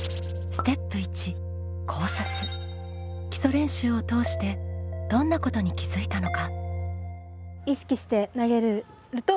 基礎練習を通してどんなことに気づいたのか？